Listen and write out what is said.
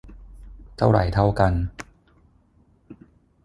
เท่าไหร่เท่ากัน